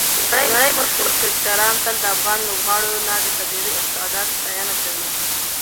د نړۍ مشهور کرکټران تل د افغان لوبغاړو د طبیعي استعداد ستاینه کوي.